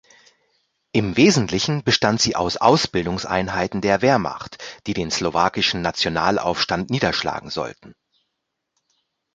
Im Wesentlichen bestand sie aus Ausbildungseinheiten der Wehrmacht, die den Slowakischen Nationalaufstand niederschlagen sollten.